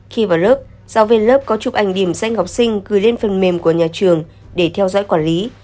khi vào lớp giáo viên lớp có chụp ảnh điểm danh học sinh gửi lên phần mềm của nhà trường để theo dõi quản lý